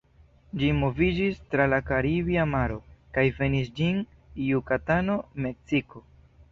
Ĝi moviĝis tra la Karibia Maro, kaj venis ĝis Jukatano, Meksiko.